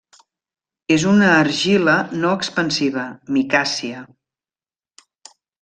És una argila no expansiva, micàcia.